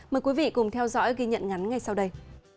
mời quý vị cùng theo dõi ghi nhận ngắn ngay sau đây